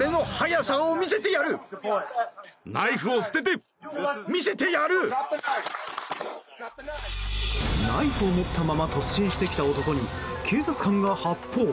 ナイフを持ったまま突進してきた男に警察官が発砲。